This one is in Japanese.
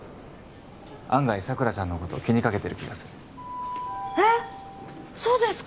案外佐倉ちゃんのこと気にかけてる気がするえっそうですか？